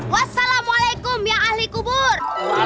wassalamualaikum ya ahli kubur